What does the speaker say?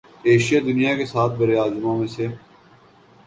Asia دنیا کے سات براعظموں میں سے